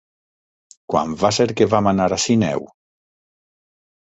Quan va ser que vam anar a Sineu?